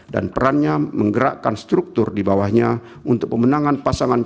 dan perannya menggerakkan struktur di bawahnya untuk pemenangan pasangan cipta